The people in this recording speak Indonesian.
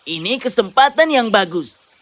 ini kesempatan yang bagus